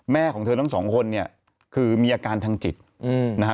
ของเธอทั้งสองคนเนี่ยคือมีอาการทางจิตนะฮะ